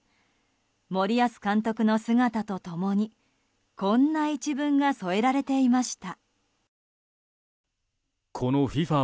森保監督の姿と共にこんな１文が添えられていました。